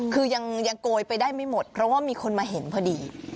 คือยังโกยไปได้ไม่หมดเพราะว่ามีคนมาเห็นพอดี